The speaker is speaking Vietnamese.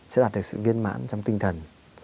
sẽ đạt được sự viên mãn trong tinh thần